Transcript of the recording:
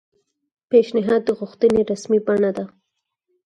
پیشنھاد د غوښتنې رسمي بڼه ده